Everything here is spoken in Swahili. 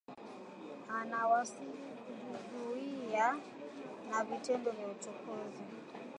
Anawasihi kujizuia na vitendo vya uchokozi